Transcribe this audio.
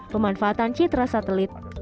pemanfaatan citra satelit